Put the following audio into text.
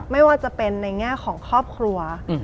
ไม่ว่าจะเป็นในแง่ของครอบครัว